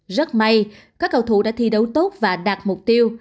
rất may các cầu thủ đã thi đấu tốt và đạt mục tiêu